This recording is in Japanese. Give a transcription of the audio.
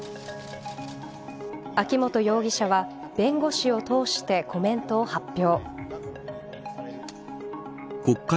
秋本容疑者は弁護士を通してコメントを発表。